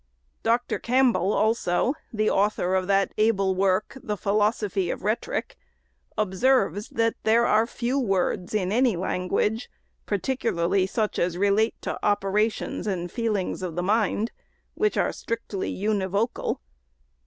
Dr. Campbell, also, the author of that^able work, " The Philosophy of Rhetoric," observes, that " there are few words in any language, (particularly such as relate to operations and feelings of the mind,) which are strictly univocal."